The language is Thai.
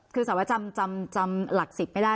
คือสาวจำหลัก๑๐ไม่ได้